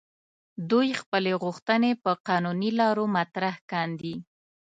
دوی خپلې غوښتنې په قانوني لارو مطرح کاندي.